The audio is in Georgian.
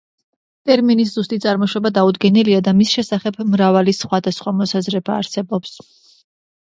ტერმინის ზუსტი წარმოშობა დაუდგენელია და მის შესახებ მრავალი სხვადასხვა მოსაზრება არსებობს.